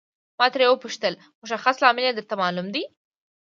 ما ترې وپوښتل مشخص لامل یې درته معلوم دی.